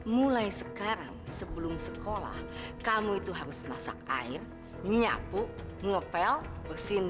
mulai sekarang sebelum sekolah kamu itu harus masak air nyapu ngepel bersin